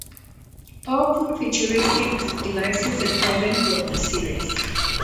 Powerful, futuristic devices are present throughout the series.